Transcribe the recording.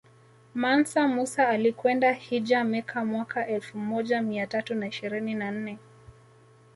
Mansa Musa alikwenda hijja Mecca mwaka elfu moja mia tatu na ishirini na nne